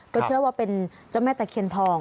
ก็เชื่อว่าเป็นเจ้าแม่ตะเคียนทอง